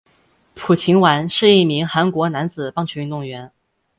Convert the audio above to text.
朴勍完是一名韩国男子棒球运动员。